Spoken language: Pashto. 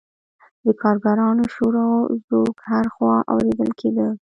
د کارګرانو شور او ځوږ هر خوا اوریدل کیده.